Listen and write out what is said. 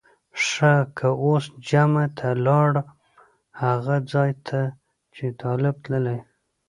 ښه که اوس جمعه ته لاړم هغه ځای ته چې طالب تللی.